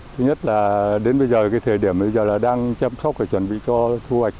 thứ nhất là đến bây giờ cái thời điểm bây giờ là đang chăm sóc phải chuẩn bị cho thu hoạch